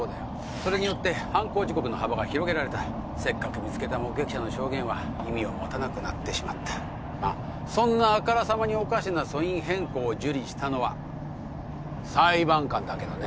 それによって犯行時刻の幅が広げられたせっかく見つけた目撃者の証言は意味を持たなくなってしまったまあそんなあからさまにおかしな訴因変更を受理したのは裁判官だけどね